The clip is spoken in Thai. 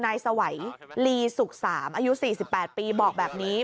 นายสวัยลีสุข๓อายุ๔๘ปีบอกแบบนี้